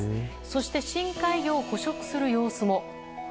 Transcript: そして深海魚を捕食する様子も。